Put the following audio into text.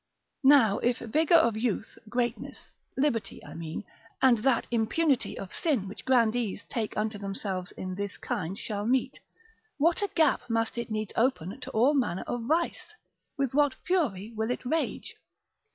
now if vigour of youth, greatness, liberty I mean, and that impunity of sin which grandees take unto themselves in this kind shall meet, what a gap must it needs open to all manner of vice, with what fury will it rage?